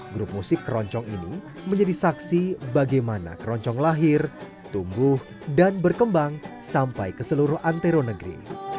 grup musik keroncong ini menjadi saksi bagaimana keroncong lahir tumbuh dan berkembang sampai ke seluruh antero negeri